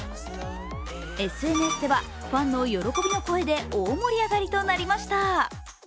ＳＮＳではファンの喜びの声で大盛り上がりとなりました。